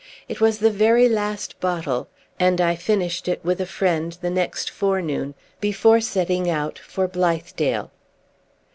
It was the very last bottle; and I finished it, with a friend, the next forenoon, before setting out for Blithedale.